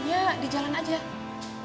akhirnya di jalan aja